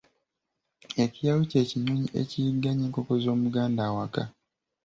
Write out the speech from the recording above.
Ekiyaayu ky’ekinyonyi ekiyigganya enkoko z’Omuganda awaka.